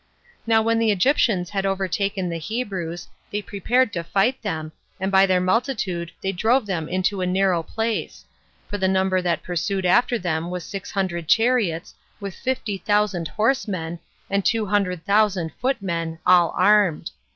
Now when the Egyptians had overtaken the Hebrews, they prepared to fight them, and by their multitude they drove them into a narrow place; for the number that pursued after them was six hundred chariots, with fifty thousand horsemen, and two hundred thousand foot men, all armed.